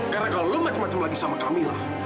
karena kalau lo macem macem lagi sama kamilah